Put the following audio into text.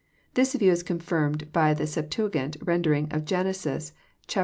This view is confirmed by the Septnaglnt rendering of Gen. xllll.